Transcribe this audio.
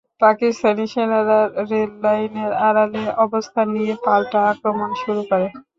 পাকিস্তানি সেনারা রেললাইনের আড়ালে অবস্থান নিয়ে পাল্টা আক্রমণ শুরু করে।